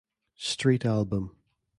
Street album.